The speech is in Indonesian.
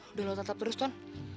udah lo tetap terus ton